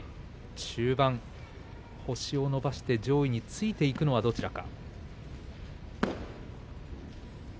中盤、星を伸ばして上位についていくのはどちらか。